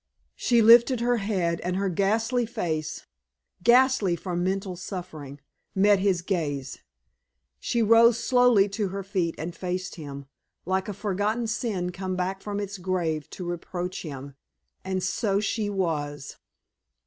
She lifted her head, and her ghastly face ghastly from mental suffering met his gaze. She rose slowly to her feet and faced him, like a forgotten sin come back from its grave to reproach him; and so she was.